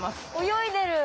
泳いでる。